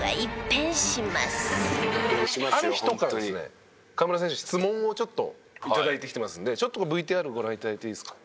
ある人からですね河村選手質問をちょっと頂いてきてますのでＶＴＲをご覧頂いていいですか？